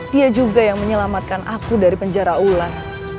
dia juga yang menyelamatkan aku dari penjara ular